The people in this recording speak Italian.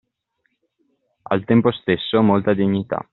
Al tempo stesso, molta dignità.